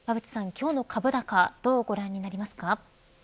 今日の株高どうご覧になりますか。